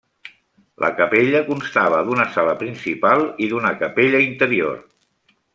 La capella constava d'una sala principal i d'una capella interior.